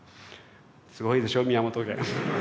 すごいでしょ宮本家。